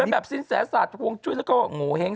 เป็นแบบสินแสศาสตร์ฮวงชุดแล้วก็โงเห้ง